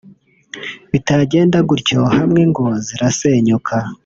bitagenda gutyo hamwe ingo zirasenyuka